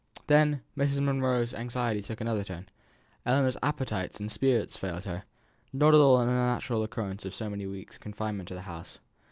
Then Miss Monro's anxiety took another turn. Ellinor's appetite and spirits failed her not at all an unnatural consequence of so many weeks' confinement to the house.